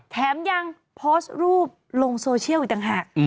แถมยังโพสต์รูปลงโซเชียลอีกต่างหาก